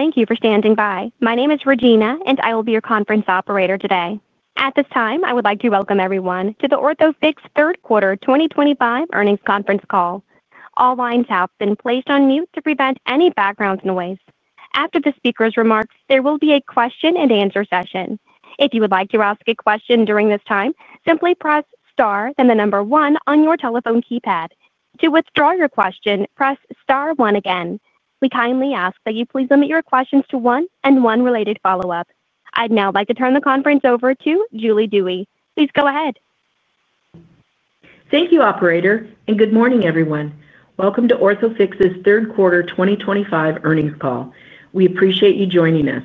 Thank you for standing by. My name is Regina, and I will be your conference operator today. At this time, I would like to welcome everyone to the Orthofix Third Quarter 2025 Earnings Conference Call. All lines have been placed on mute to prevent any background noise. After the speaker's remarks, there will be a question-and-answer session. If you would like to ask a question during this time, simply press star then the number one on your telephone keypad. To withdraw your question, press star one again. We kindly ask that you please limit your questions to one and one related follow-up. I'd now like to turn the conference over to Julie Dewey. Please go ahead. Thank you, Operator, and good morning, everyone. Welcome to Orthofix's Third Quarter 2025 Earnings Call. We appreciate you joining us.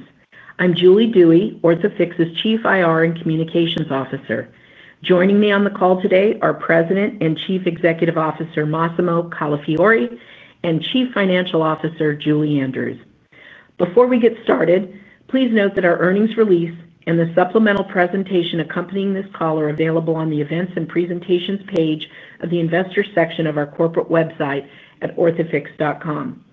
I'm Julie Dewey, Orthofix's Chief IR and Communications Officer. Joining me on the call today are President and Chief Executive Officer Massimo Calafiore and Chief Financial Officer Julie Andrews. Before we get started, please note that our earnings release and the supplemental presentation accompanying this call are available on the Events and Presentations page of the Investor section of our corporate website at orthofix.com.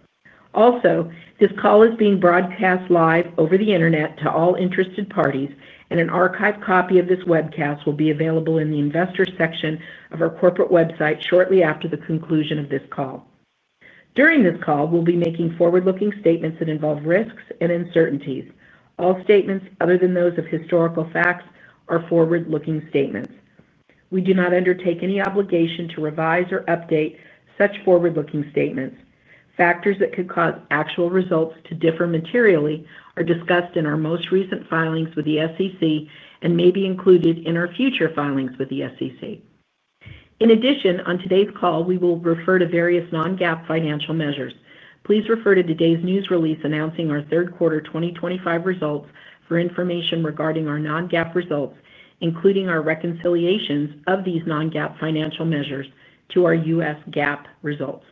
Also, this call is being broadcast live over the internet to all interested parties, and an archived copy of this webcast will be available in the Investor section of our corporate website shortly after the conclusion of this call. During this call, we'll be making forward-looking statements that involve risks and uncertainties. All statements other than those of historical facts are forward-looking statements. We do not undertake any obligation to revise or update such forward-looking statements. Factors that could cause actual results to differ materially are discussed in our most recent filings with the SEC and may be included in our future filings with the SEC. In addition, on today's call, we will refer to various non-GAAP financial measures. Please refer to today's news release announcing our third quarter 2025 results for information regarding our non-GAAP results, including our reconciliations of these non-GAAP financial measures to our U.S. GAAP results.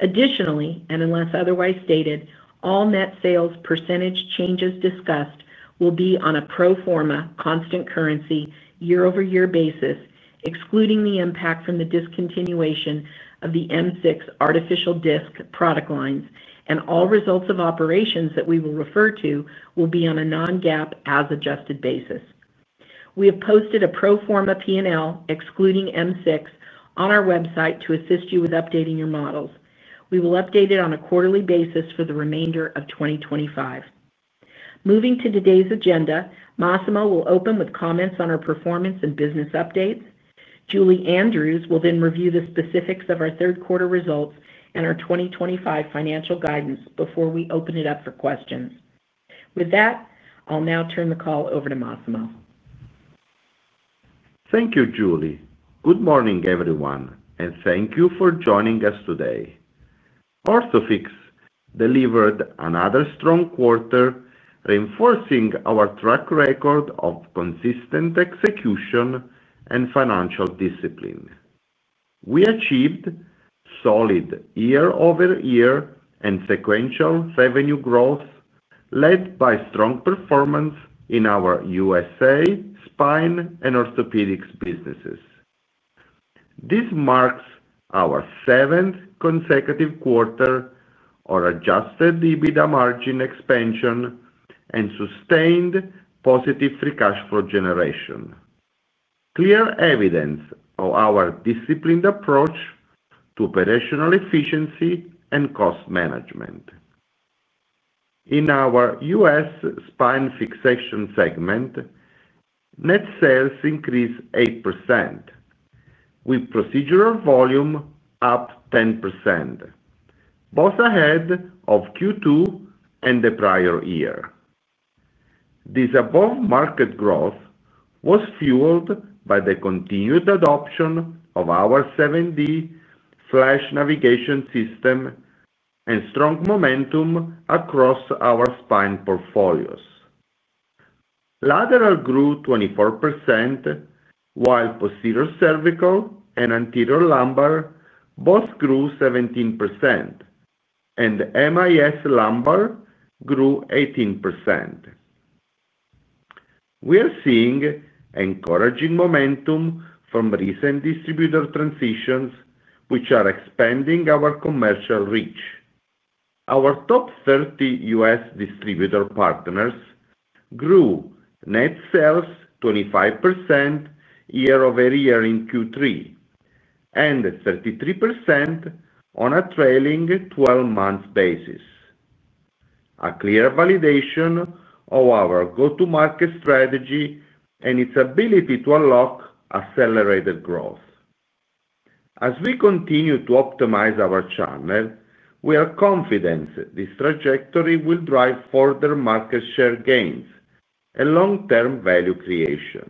Additionally, and unless otherwise stated, all net sales percentage changes discussed will be on a pro forma, constant currency, year-over-year basis, excluding the impact from the discontinuation of the M6 artificial disc product lines, and all results of operations that we will refer to will be on a non-GAAP as-adjusted basis. We have posted a pro forma P&L excluding M6 on our website to assist you with updating your models. We will update it on a quarterly basis for the remainder of 2025. Moving to today's agenda, Massimo will open with comments on our performance and business updates. Julie Andrews will then review the specifics of our third quarter results and our 2025 financial guidance before we open it up for questions. With that, I'll now turn the call over to Massimo. Thank you, Julie. Good morning, everyone, and thank you for joining us today. Orthofix delivered another strong quarter, reinforcing our track record of consistent execution and financial discipline. We achieved solid year-over-year and sequential revenue growth, led by strong performance in our U.S. spine and orthopedics businesses. This marks our seventh consecutive quarter of adjusted EBITDA margin expansion and sustained positive free cash flow generation, clear evidence of our disciplined approach to operational efficiency and cost management. In our U.S. spine fixation segment, net sales increased 8%, with procedural volume up 10%, both ahead of Q2 and the prior year. This above-market growth was fueled by the continued adoption of our 7D FLASH Navigation System and strong momentum across our spine portfolios. Lateral grew 24%, while posterior cervical and anterior lumbar both grew 17%, and MIS lumbar grew 18%. We are seeing encouraging momentum from recent distributor transitions, which are expanding our commercial reach. Our top 30 U.S. distributor partners grew net sales 25% year-over-year in Q3 and 33% on a trailing 12-month basis, a clear validation of our go-to-market strategy and its ability to unlock accelerated growth. As we continue to optimize our channel, we are confident this trajectory will drive further market share gains and long-term value creation.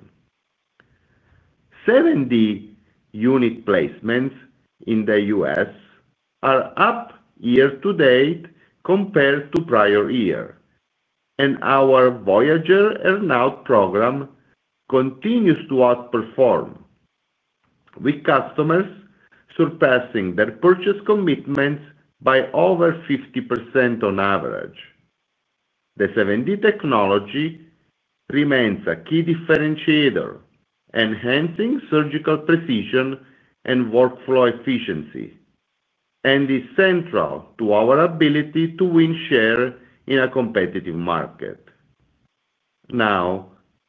7D unit placements in the U.S. are up year-to-date compared to prior year, and our Voyager Earn-Out Program continues to outperform, with customers surpassing their purchase commitments by over 50% on average. The 7D technology remains a key differentiator, enhancing surgical precision and workflow efficiency, and is central to our ability to win share in a competitive market. Now,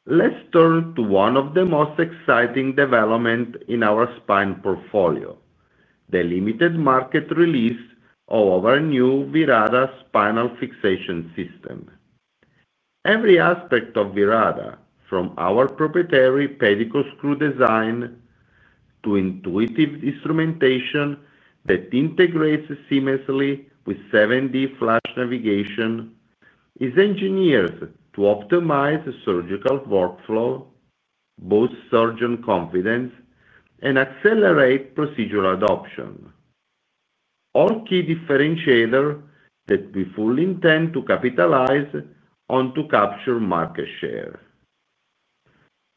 let's turn to one of the most exciting developments in our spine portfolio: the limited market release of our new Virata Spinal Fixation System. Every aspect of Virata, from our proprietary pedicle screw design to intuitive instrumentation that integrates seamlessly with 7D FLASH Navigation, is engineered to optimize surgical workflow, boost surgeon confidence, and accelerate procedural adoption. All key differentiators that we fully intend to capitalize on to capture market share.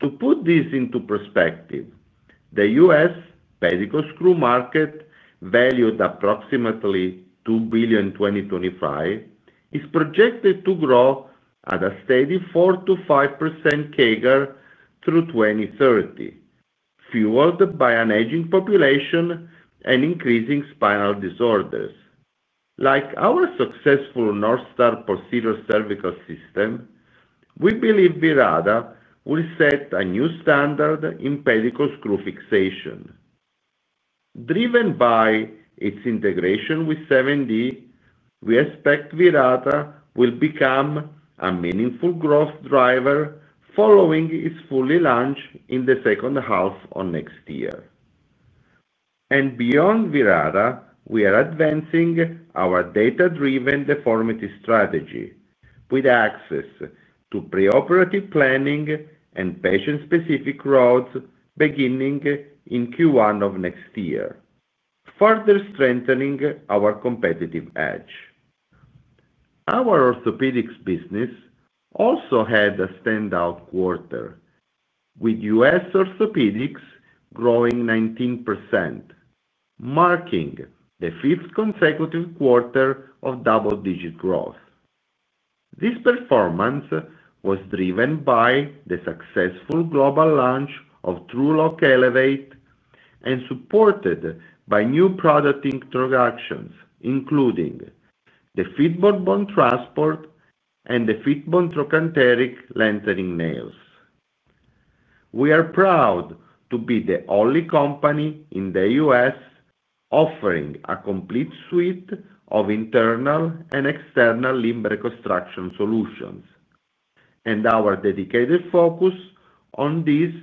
To put this into perspective, the U.S. pedicle screw market, valued at approximately $2 billion in 2025, is projected to grow at a steady 4%-5% compound annual CAGR through 2030, fueled by an aging population and increasing spinal disorders. Like our successful Northstar Procedural Cervical System, we believe Virata will set a new standard in pedicle screw fixation. Driven by its integration with 7D, we expect Virata will become a meaningful growth driver following its full launch in the second half of next year. Beyond Virata, we are advancing our data-driven deformity strategy with access to pre-operative planning and patient-specific roads beginning in Q1 of next year, further strengthening our competitive edge. Our orthopedics business also had a standout quarter, with U.S. orthopedics growing 19%, marking the fifth consecutive quarter of double-digit growth. This performance was driven by the successful global launch of TrueLok Elevate and supported by new product introductions, including the Fitbone Bone Transport and the Fitbone Trochanteric Lengthening Nails. We are proud to be the only company in the U.S. offering a complete suite of internal and external limb reconstruction solutions, and our dedicated focus on this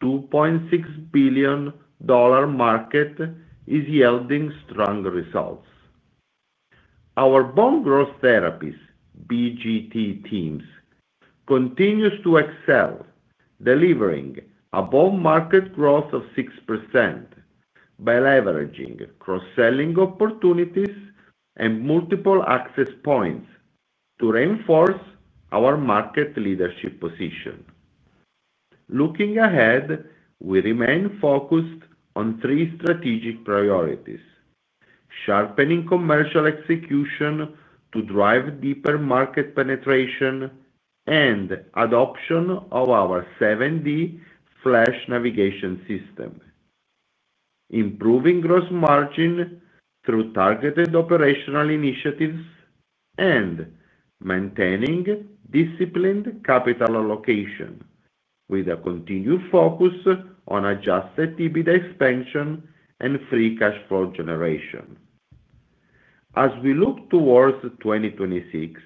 $2.6 billion market is yielding strong results. Our Bone Growth Therapies (BGT) teams continue to excel, delivering a bone market growth of 6%. By leveraging cross-selling opportunities and multiple access points to reinforce our market leadership position. Looking ahead, we remain focused on three strategic priorities. Sharpening commercial execution to drive deeper market penetration and adoption of our 7D FLASH Navigation System. Improving gross margin through targeted operational initiatives, and maintaining disciplined capital allocation with a continued focus on adjusted EBITDA expansion and free cash flow generation. As we look towards 2026,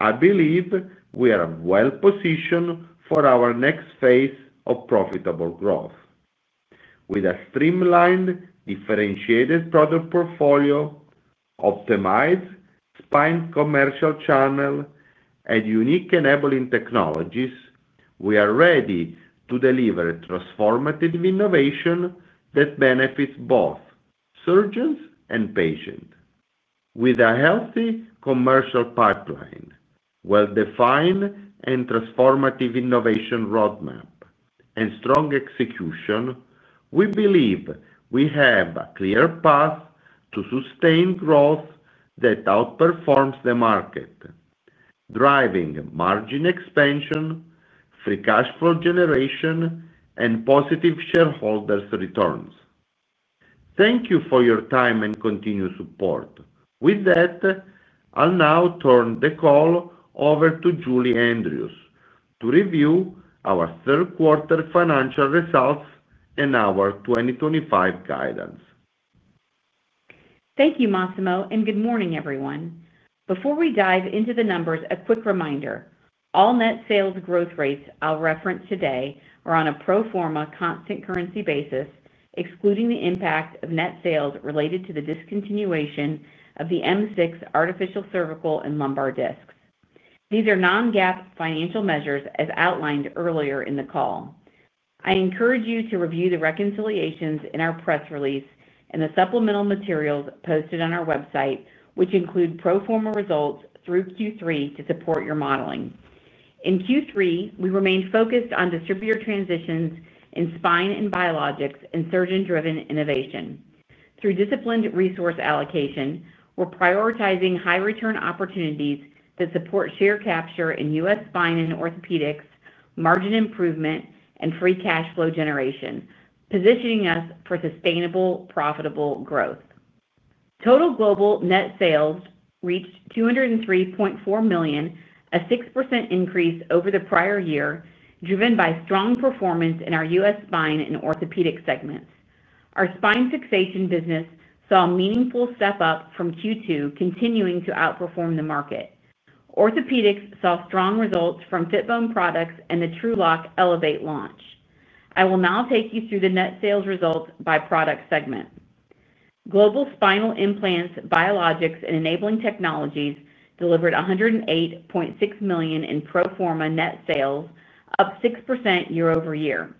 I believe we are well-positioned for our next phase of profitable growth. With a streamlined, differentiated product portfolio, optimized spine commercial channel, and unique enabling technologies, we are ready to deliver transformative innovation that benefits both surgeons and patients. With a healthy commercial pipeline, well-defined and transformative innovation roadmap, and strong execution, we believe we have a clear path to sustained growth that outperforms the market, driving margin expansion, free cash flow generation, and positive shareholders' returns. Thank you for your time and continued support. With that, I'll now turn the call over to Julie Andrews to review our third quarter financial results and our 2025 guidance. Thank you, Massimo, and good morning, everyone. Before we dive into the numbers, a quick reminder: all net sales growth rates I'll reference today are on a pro forma constant currency basis, excluding the impact of net sales related to the discontinuation of the M6 artificial cervical and lumbar discs. These are non-GAAP financial measures, as outlined earlier in the call. I encourage you to review the reconciliations in our press release and the supplemental materials posted on our website, which include pro forma results through Q3 to support your modeling. In Q3, we remained focused on distributor transitions in spine and biologics and surgeon-driven innovation. Through disciplined resource allocation, we're prioritizing high-return opportunities that support share capture in U.S. spine and orthopedics, margin improvement, and free cash flow generation, positioning us for sustainable, profitable growth. Total global net sales reached $203.4 million, a 6% increase over the prior year, driven by strong performance in our U.S. spine and orthopedic segments. Our spine fixation business saw a meaningful step up from Q2, continuing to outperform the market. Orthopedics saw strong results from Fitbone Products and the TrueLok Elevate launch. I will now take you through the net sales results by product segment. Global spinal implants, biologics, and enabling technologies delivered $108.6 million in pro forma net sales, up 6% year-over-year.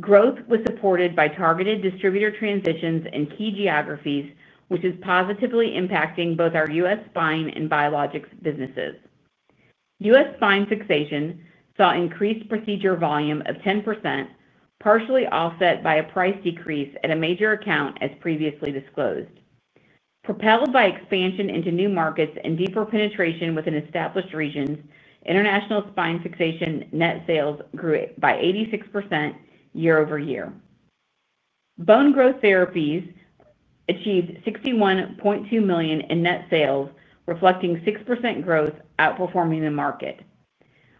Growth was supported by targeted distributor transitions and key geographies, which is positively impacting both our U.S. spine and biologics businesses. U.S. spine fixation saw increased procedure volume of 10%, partially offset by a price decrease at a major account, as previously disclosed. Propelled by expansion into new markets and deeper penetration within established regions, international spine fixation net sales grew by 86% year-over-year. Bone growth therapies achieved $61.2 million in net sales, reflecting 6% growth, outperforming the market.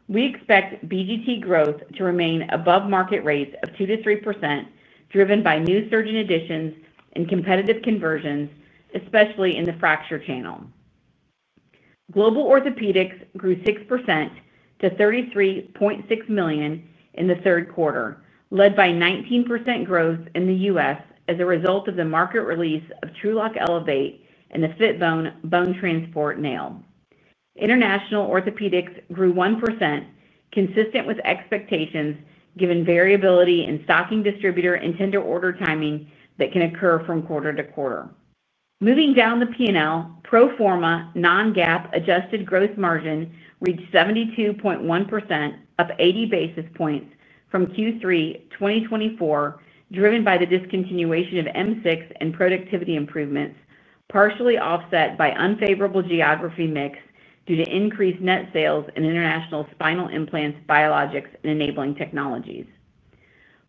We expect BGT growth to remain above market rates of 2%-3%, driven by new surgeon additions and competitive conversions, especially in the fracture channel. Global orthopedics grew 6% to $33.6 million in the third quarter, led by 19% growth in the U.S. as a result of the market release of TrueLok Elevate and the Fitbone Bone Transport Nail. International orthopedics grew 1%, consistent with expectations, given variability in stocking distributor and tender order timing that can occur from quarter to quarter. Moving down the P&L, pro forma non-GAAP adjusted gross margin reached 72.1%, up 80 basis points from Q3 2024, driven by the discontinuation of M6 and productivity improvements, partially offset by unfavorable geography mix due to increased net sales in international spinal implants, biologics, and enabling technologies.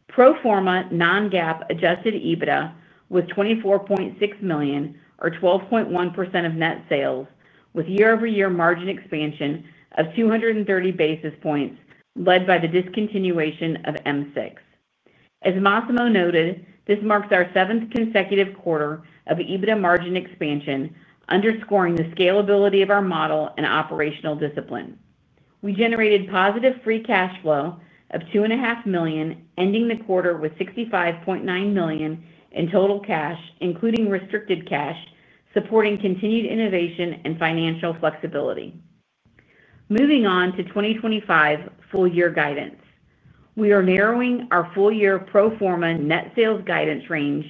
Pro forma non-GAAP adjusted EBITDA was $24.6 million, or 12.1% of net sales, with year-over-year margin expansion of 230 basis points, led by the discontinuation of M6. As Massimo noted, this marks our seventh consecutive quarter of EBITDA margin expansion, underscoring the scalability of our model and operational discipline. We generated positive free cash flow of $2.5 million, ending the quarter with $65.9 million in total cash, including restricted cash, supporting continued innovation and financial flexibility. Moving on to 2025 full-year guidance, we are narrowing our full-year pro forma net sales guidance range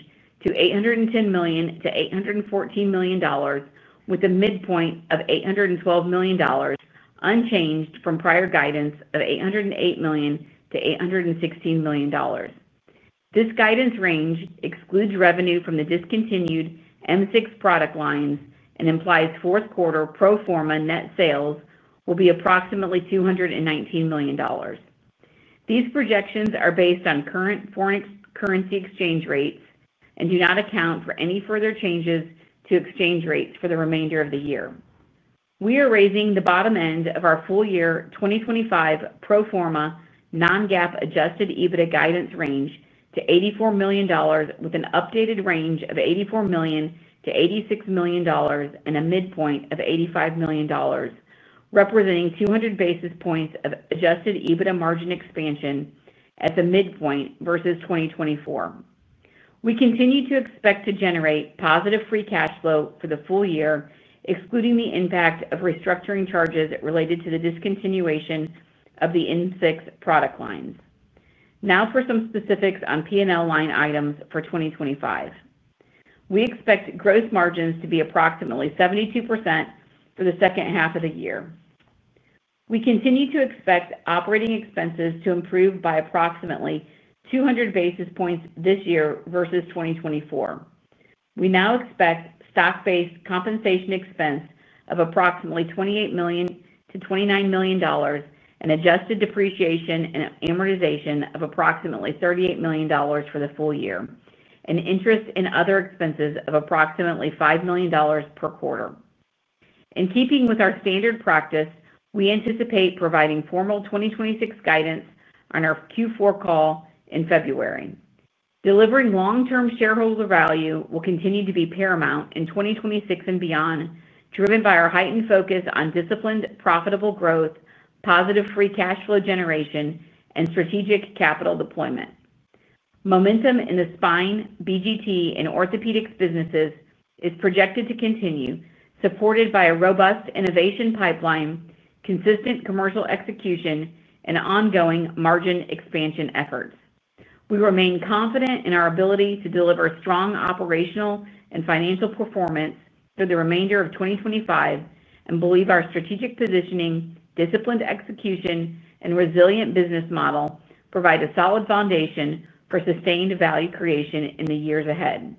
to $810 million-$814 million, with a midpoint of $812 million. Unchanged from prior guidance of $808 million-$816 million. This guidance range excludes revenue from the discontinued M6 product lines and implies fourth-quarter pro forma net sales will be approximately $219 million. These projections are based on current foreign currency exchange rates and do not account for any further changes to exchange rates for the remainder of the year. We are raising the bottom end of our full-year 2025 pro forma non-GAAP adjusted EBITDA guidance range to $84 million, with an updated range of $84 million-$86 million and a midpoint of $85 million. Representing 200 basis points of adjusted EBITDA margin expansion at the midpoint versus 2024. We continue to expect to generate positive free cash flow for the full year, excluding the impact of restructuring charges related to the discontinuation of the M6 product lines. Now for some specifics on P&L line items for 2025. We expect gross margins to be approximately 72% for the second half of the year. We continue to expect operating expenses to improve by approximately 200 basis points this year versus 2024. We now expect stock-based compensation expense of approximately $28 million-$29 million, and adjusted depreciation and amortization of approximately $38 million for the full year, and interest and other expenses of approximately $5 million per quarter. In keeping with our standard practice, we anticipate providing formal 2026 guidance on our Q4 call in February. Delivering long-term shareholder value will continue to be paramount in 2026 and beyond, driven by our heightened focus on disciplined, profitable growth, positive free cash flow generation, and strategic capital deployment. Momentum in the spine, BGT, and orthopedics businesses is projected to continue, supported by a robust innovation pipeline, consistent commercial execution, and ongoing margin expansion efforts. We remain confident in our ability to deliver strong operational and financial performance through the remainder of 2025 and believe our strategic positioning, disciplined execution, and resilient business model provide a solid foundation for sustained value creation in the years ahead.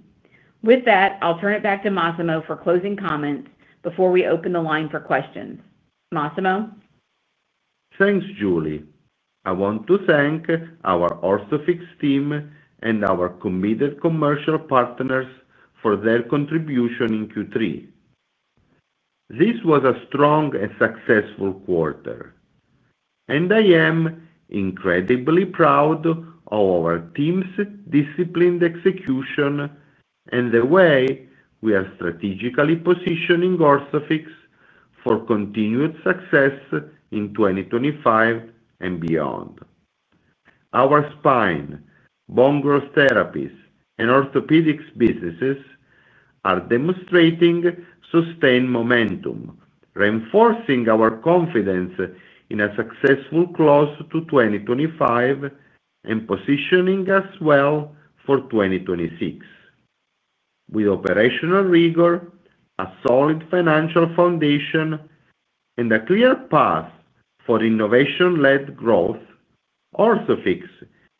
With that, I'll turn it back to Massimo for closing comments before we open the line for questions. Massimo? Thanks, Julie. I want to thank our Orthofix team and our committed commercial partners for their contribution in Q3. This was a strong and successful quarter. I am incredibly proud of our team's disciplined execution and the way we are strategically positioning Orthofix for continued success in 2025 and beyond. Our spine, bone growth therapies, and orthopedics businesses are demonstrating sustained momentum, reinforcing our confidence in a successful close to 2025. Positioning us well for 2026. With operational rigor, a solid financial foundation, and a clear path for innovation-led growth, Orthofix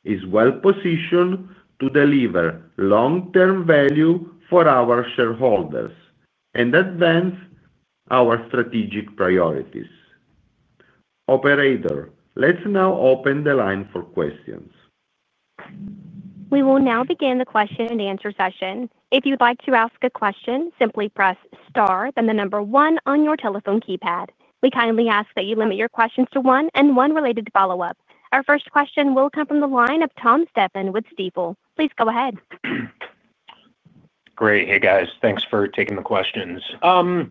is well-positioned to deliver long-term value for our shareholders and advance our strategic priorities. Operator, let's now open the line for questions. We will now begin the question-and-answer session. If you'd like to ask a question, simply press star, then the number one on your telephone keypad. We kindly ask that you limit your questions to one and one related follow-up. Our first question will come from the line of Tom Stephan with Stifel. Please go ahead. Great. Hey, guys. Thanks for taking the questions. I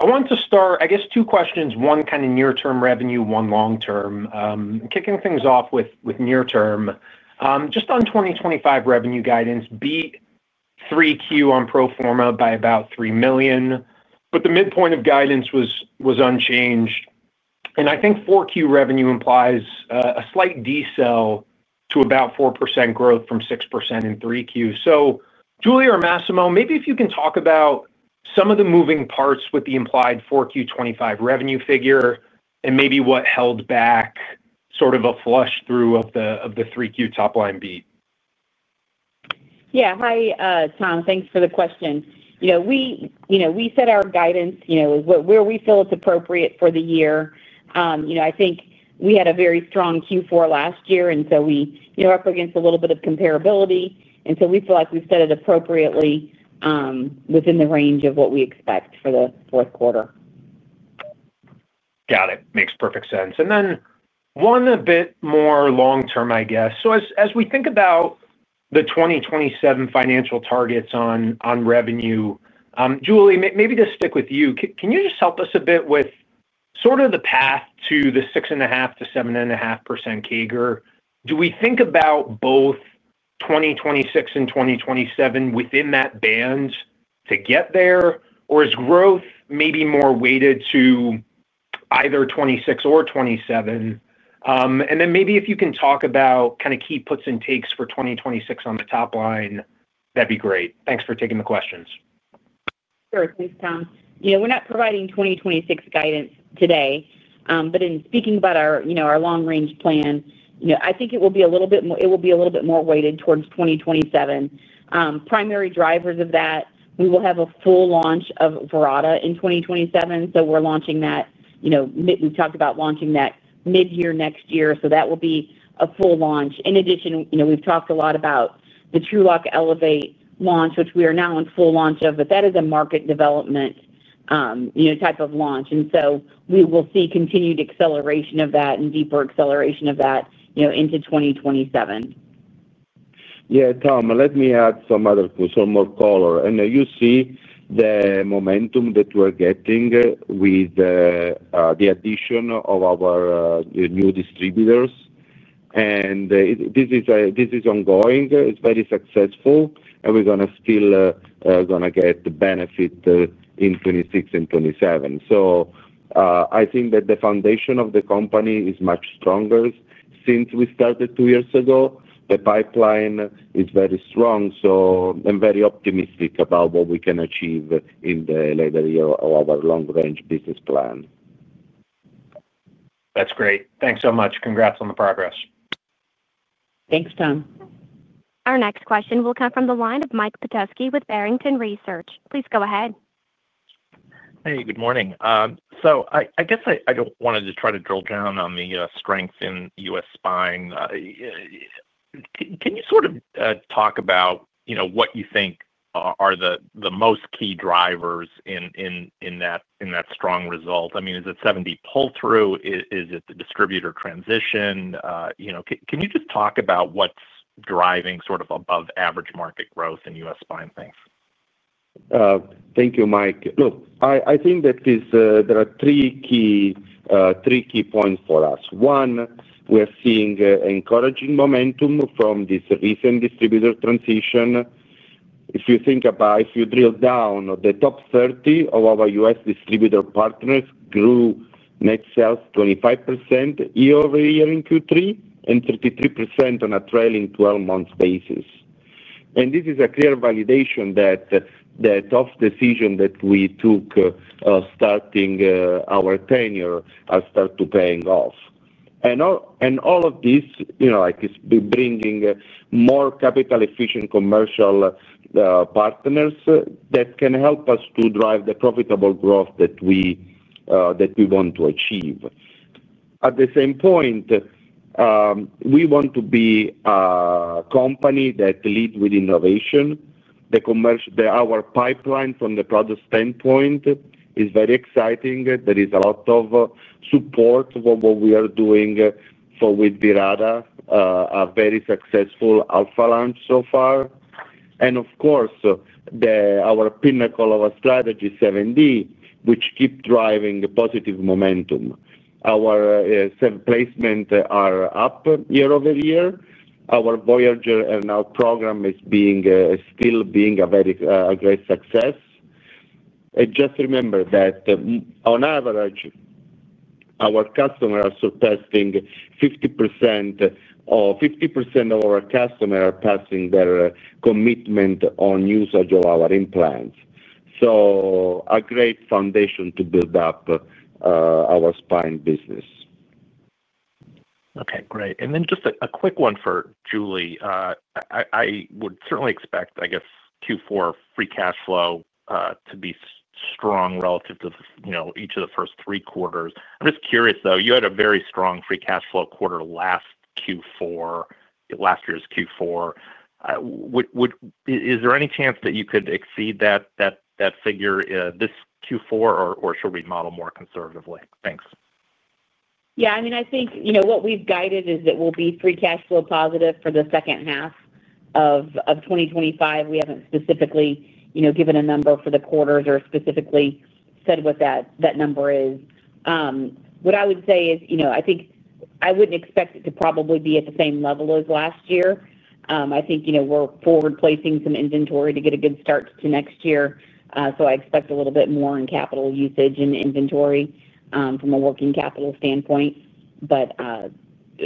want to start, I guess, two questions, one kind of near-term revenue, one long-term. Kicking things off with near-term, just on 2025 revenue guidance, B3Q on pro forma by about $3 million, but the midpoint of guidance was unchanged. I think 4Q revenue implies a slight decel to about 4% growth from 6% in 3Q. Julie or Massimo, maybe if you can talk about some of the moving parts with the implied 4Q 2025 revenue figure and maybe what held back sort of a flush through of the 3Q top-line beat. Yeah. Hi, Tom. Thanks for the question. We set our guidance where we feel it's appropriate for the year. I think we had a very strong Q4 last year, and we are up against a little bit of comparability. We feel like we've set it appropriately within the range of what we expect for the fourth quarter. Got it. Makes perfect sense. One a bit more long-term, I guess. As we think about the 2027 financial targets on revenue, Julie, maybe to stick with you, can you just help us a bit with sort of the path to the 6.5-7.5% CAGR? Do we think about both 2026 and 2027 within that band to get there, or is growth maybe more weighted to either 2026 or 2027? If you can talk about kind of key puts and takes for 2026 on the top line, that would be great. Thanks for taking the questions. Sure. Thanks, Tom. We're not providing 2026 guidance today, but in speaking about our long-range plan, I think it will be a little bit more—it will be a little bit more weighted towards 2027. Primary drivers of that, we will have a full launch of Virata in 2027. We're launching that—we talked about launching that mid-year next year. That will be a full launch. In addition, we've talked a lot about the TrueLok Elevate launch, which we are now in full launch of, but that is a market development type of launch. We will see continued acceleration of that and deeper acceleration of that into 2027. Yeah, Tom, let me add some other—so more color. You see the momentum that we're getting with the addition of our new distributors. This is ongoing. It's very successful. We're going to still get benefit in 2026 and 2027. I think that the foundation of the company is much stronger since we started two years ago. The pipeline is very strong. I'm very optimistic about what we can achieve in the later year of our long-range business plan. That's great. Thanks so much. Congrats on the progress. Thanks, Tom. Our next question will come from the line of Mike Petusky with Barrington Research. Please go ahead. Hey, good morning. I guess I do want to just try to drill down on the strength in U.S. spine. Can you sort of talk about what you think are the most key drivers in that strong result? I mean, is it 7D pull-through? Is it the distributor transition? Can you just talk about what's driving sort of above-average market growth in U.S. spine things? Thank you, Mike. Look, I think that there are three key points for us. One, we are seeing encouraging momentum from this recent distributor transition. If you think about, if you drill down, the top 30 of our U.S. distributor partners grew net sales 25% year-over-year in Q3 and 33% on a trailing 12-month basis. This is a clear validation that the tough decision that we took starting our tenure are starting to pay off. All of this is bringing more capital-efficient commercial partners that can help us to drive the profitable growth that we want to achieve. At the same point, we want to be a company that leads with innovation. Our pipeline from the product standpoint is very exciting. There is a lot of support for what we are doing with Virata, a very successful alpha launch so far. Of course, our pinnacle of our strategy, 7D, which keeps driving positive momentum. Our placements are up year-over-year. Our Voyager and our program is still being a very great success. Just remember that, on average, our customers are surpassing 50%. Of our customers are passing their commitment on usage of our implants. A great foundation to build up our spine business. Okay. Great. And then just a quick one for Julie. I would certainly expect, I guess, Q4 free cash flow to be strong relative to each of the first three quarters. I'm just curious, though, you had a very strong free cash flow quarter last. Last year's Q4. Is there any chance that you could exceed that figure this Q4, or should we model more conservatively? Thanks. Yeah. I mean, I think what we've guided is that we'll be free cash flow positive for the second half of 2025. We haven't specifically given a number for the quarters or specifically said what that number is. What I would say is I think I wouldn't expect it to probably be at the same level as last year. I think we're forward-placing some inventory to get a good start to next year. I expect a little bit more in capital usage and inventory from a working capital standpoint. But I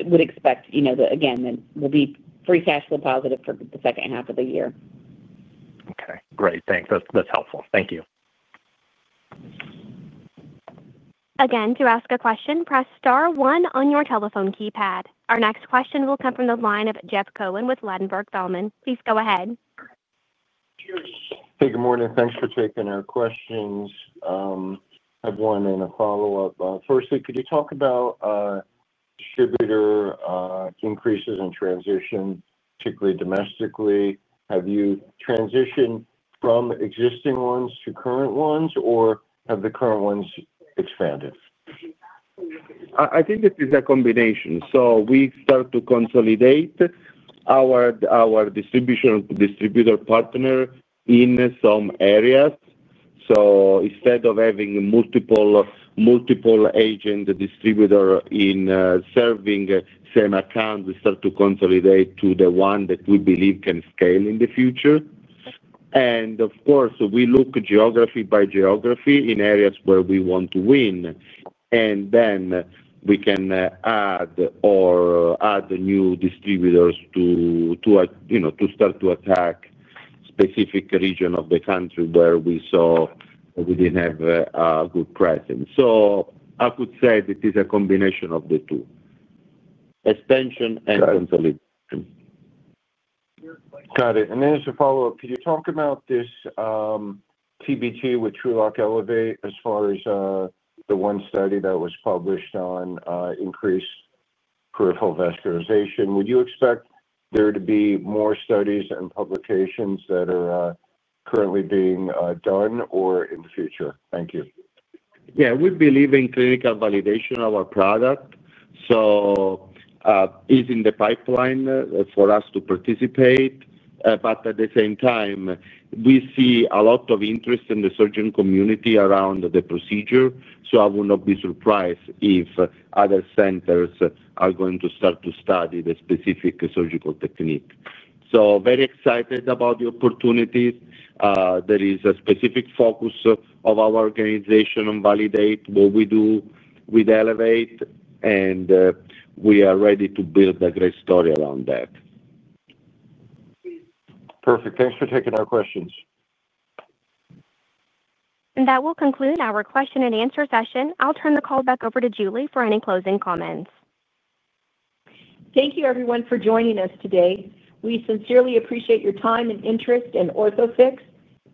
would expect, again, that we'll be free cash flow positive for the second half of the year. Okay. Great. Thanks. That's helpful. Thank you. Again, to ask a question, press star one on your telephone keypad. Our next question will come from the line of Jeff Cohen with Ladenburg Thalmann. Please go ahead. Hey, good morning. Thanks for taking our questions. I have one and a follow-up. Firstly, could you talk about distributor increases and transition, particularly domestically? Have you transitioned from existing ones to current ones, or have the current ones expanded? I think it is a combination. We start to consolidate our distribution to distributor partner in some areas. Instead of having multiple agent distributors serving the same account, we start to consolidate to the one that we believe can scale in the future. Of course, we look geography by geography in areas where we want to win. We can add or add new distributors to start to attack specific regions of the country where we saw that we did not have a good presence. I could say t1hat it is a combination of the two. Expansion and consolidation. Got it. As a follow-up, could you talk about this TBT with TrueLok Elevate as far as the one study that was published on increased peripheral vascularization? Would you expect there to be more studies and publications that are currently being done or in the future? Thank you. Yeah. We believe in clinical validation of our product. It is in the pipeline for us to participate. At the same time, we see a lot of interest in the surgeon community around the procedure. I would not be surprised if other centers are going to start to study the specific surgical technique. Very excited about the opportunities. There is a specific focus of our organization on validating what we do with Elevate. We are ready to build a great story around that. Perfect. Thanks for taking our questions. That will conclude our question-and-answer session. I'll turn the call back over to Julie for any closing comments. Thank you, everyone, for joining us today. We sincerely appreciate your time and interest in Orthofix.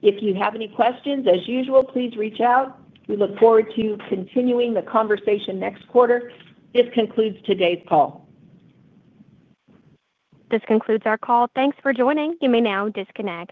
If you have any questions, as usual, please reach out. We look forward to continuing the conversation next quarter. This concludes today's call. This concludes our call. Thanks for joining. You may now disconnect.